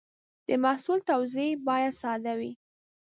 د محصول توضیح باید ساده وي.